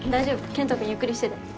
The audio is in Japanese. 健人君ゆっくりしてて。